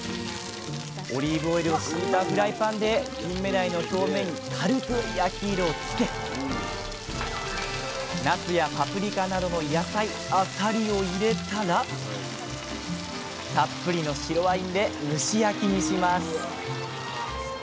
オリーブオイルをしいたフライパンでキンメダイの表面に軽く焼き色をつけなすやパプリカなどの野菜あさりを入れたらたっぷりの白ワインで蒸し焼きにします。